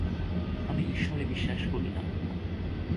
আমি ঈশ্বরে বিশ্বাস করি না।